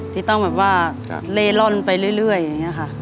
ที่ต้องแบบว่าเล่ร่อนไปเรื่อยอย่างนี้ค่ะ